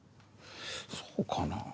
そうかなぁ。